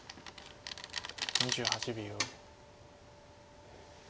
２８秒。